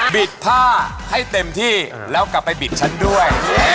ผ้าให้เต็มที่แล้วกลับไปบิดฉันด้วย